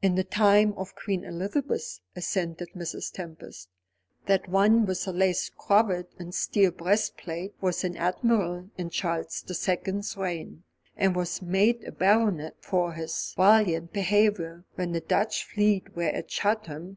"In the time of Queen Elizabeth," assented Mrs. Tempest. "That one with the lace cravat and steel breastplate was an admiral in Charles the Second's reign, and was made a baronet for his valiant behaviour when the Dutch fleet were at Chatham.